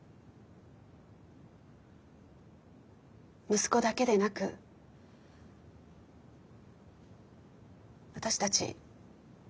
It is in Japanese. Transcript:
息子だけでなく私たち